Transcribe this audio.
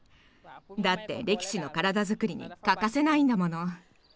だって力士の体づくりに欠かせないんだもの。